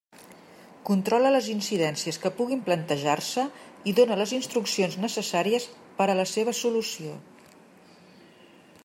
Controla les incidències que puguin plantejar-se i dóna les instruccions necessàries per a la seva solució.